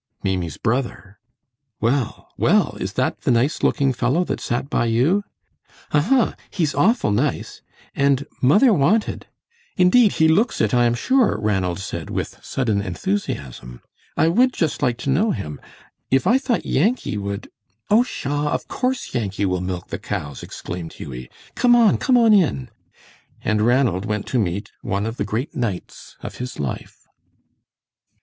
"Maimie's brother. Well, well, is that the nice looking fellow that sat by you?" "Huh huh, he is awful nice, and mother wanted " "Indeed he looks it, I am sure," Ranald said, with sudden enthusiasm; "I would just like to know him. If I thought Yankee would " "Oh, pshaw! Of course Yankee will milk the cows," exclaimed Hughie. "Come on, come on in. And Ranald went to meet one of the great nights of his life.